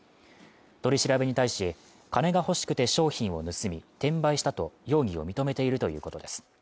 取り調べに対し、金が欲しくて商品を盗み、転売したと容疑を認めているということです。